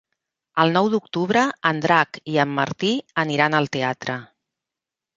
El nou d'octubre en Drac i en Martí aniran al teatre.